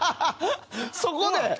そこで。